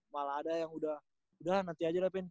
malah ada yang udah udah nanti aja deh pen